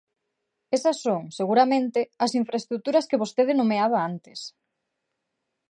Esas son, seguramente, as infraestruturas que vostede nomeaba antes.